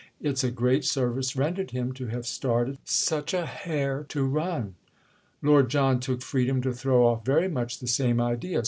—it's a great service rendered him to have started such a hare to run!" Lord John took freedom to throw off very much the same idea.